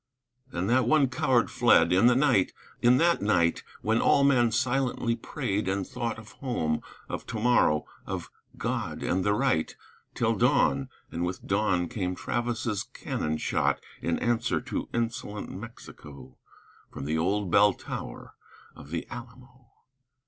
Then that one coward fled, in the night, in that night When all men silently prayed and thought Of home; of to morrow; of God and the right, Till dawn; and with dawn came Travis's cannon shot, In answer to insolent Mexico, From the old bell tower of the Alamo.